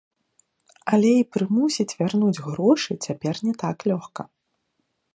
Але і прымусіць вярнуць грошы цяпер не так лёгка.